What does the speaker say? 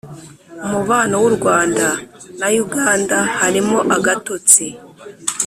Umubano w’urwanda nayuganda harimo agatotsi